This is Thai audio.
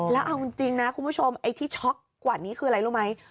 แล้วเอาจริงนะคุณผู้ชมไอ้ที่ช็อกกว่านี้คืออะไรรู้ไหม